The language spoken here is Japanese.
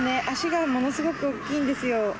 足がものすごく大きいんですよ。